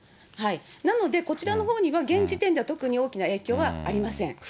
なので、こちらのほうには現時点では特に大きな影響はありません。